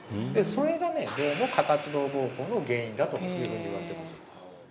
それがねどうも過活動膀胱の原因だというふうにいわれてます